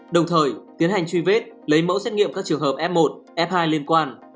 đồng thời tiến hành truy vết lấy mẫu xét nghiệm các trường hợp f một f hai liên quan